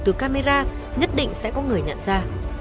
từ camera nhất định sẽ có người nhận ra